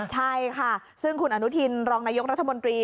ใช่ค่ะซึ่งคุณอนุทินรองนายกรัฐมนตรี